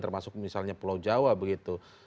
termasuk misalnya pulau jawa begitu